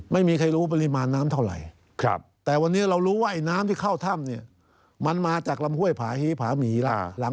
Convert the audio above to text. ไม่มีใครรู้ปริมาณน้ำเท่าไหร่